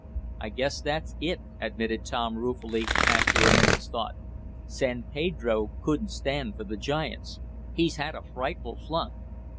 "I guess that's it," admitted Tom ruefully, after a minute's thought. "San Pedro couldn't stand for the giants. He's had a frightful flunk.